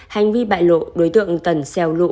hành vi bại lộ đối tượng tần xeo lụ